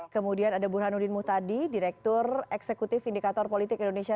kemudian ada burhanudin mutadi direktur eksekutif indikator politik indonesia